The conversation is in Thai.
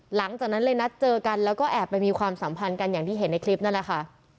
หลังจากนั้นเลยนัดเจอกันแล้วก็แอบไปมีความสัมพันธ์กันอย่างที่เห็นในคลิปนั่นแหละค่ะ